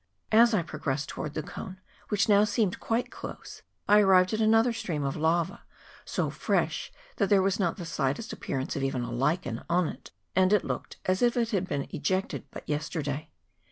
As I progressed towards the cone, which now seemed quite close, I arrived at another stream of lava, so fresh that there was not the slightest appearance of even a lichen on it, and it looked as if it had been ejected but yesterday.